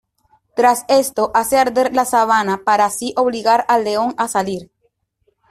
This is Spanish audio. Tras esto, hace arder la sabana para así obligar al león a salir.